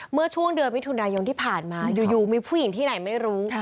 เมื่อช่วงเดือนมิถุนายนที่ผ่านมาอยู่มีผู้หญิงที่ไหนไม่รู้